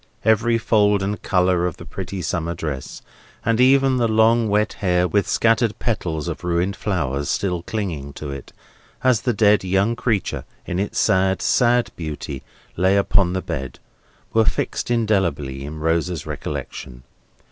Every fold and colour in the pretty summer dress, and even the long wet hair, with scattered petals of ruined flowers still clinging to it, as the dead young figure, in its sad, sad beauty lay upon the bed, were fixed indelibly in Rosa's recollection.